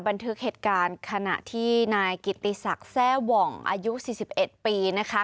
บันทึกเหตุการณ์ขณะที่นายกิติศักดิ์แทร่หว่องอายุ๔๑ปีนะคะ